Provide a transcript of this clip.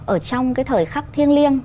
ở trong cái thời khắc thiêng liêng